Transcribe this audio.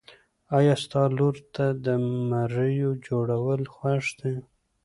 ایا ستا لور ته د مریو جوړول خوښ دي؟